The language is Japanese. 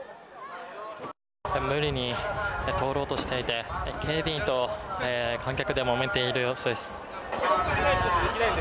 無理に通ろうとしていて警備員と観客でもめている様子です。